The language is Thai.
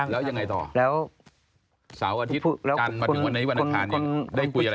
แล้วยังไงต่อ